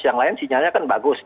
yang lain sinyalnya kan bagus